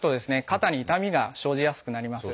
肩に痛みが生じやすくなります。